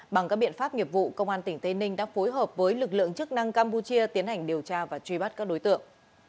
bằng các biện pháp nghiệp vụ công an tỉnh tây ninh đã phối hợp với lực lượng chức năng campuchia tiến hành điều tra và truy bắt các đối tượng